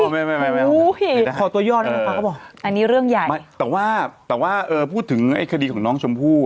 ไม่ไม่ได้ค่ะอันนี้เรื่องใหญ่แต่ว่าพูดถึงคดีของน้องชมพู่